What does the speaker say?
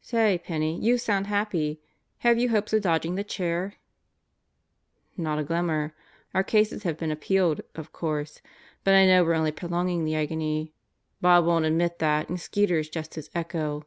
"Say, Penney, you sound happy. Have you hopes of dodging the chair?" "Not a glimmer. Our cases have been appealed, of course. But I know we're only prolonging the agony. Bob won't admit that, and. Skeeter is just his echo."